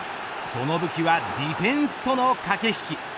その武器はディフェンスとの駆け引き。